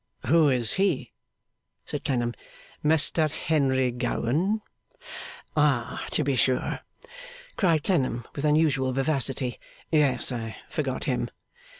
'Who is he?' said Clennam. 'Mr Henry Gowan.' 'Ah, to be sure!' cried Clennam with unusual vivacity, 'Yes! I forgot him.